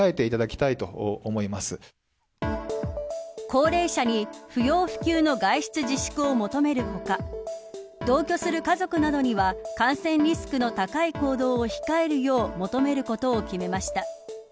高齢者に不要不急の外出自粛を求める他同居する家族などには感染リスクの高い行動を控えるよう求めることを決めました。